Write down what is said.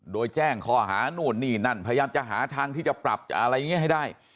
โดยแจ้งข้อหานู่นนี่นั่นพยายามจะหาทางที่จะปรับอะไรอย่างนี้ให้ได้